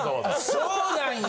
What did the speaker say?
そうなんや！